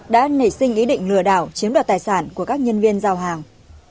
đã nảy sinh ý định lừa đảo chiếm đoạt tài sản của các nhân viên giao hàng